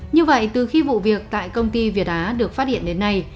như vậy từ khi vụ việc tại công ty việt á được phát hiện đến nay